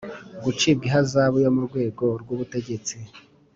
Gucibwa ihazabu yo mu rwego rw ubutegetsi